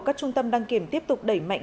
các trung tâm đăng kiểm tiếp tục đẩy mạnh